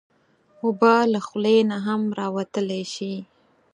اوبه له خولې نه هم راوتلی شي.